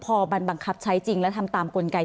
พอมันบังคับใช้จริงและทำตามกลไก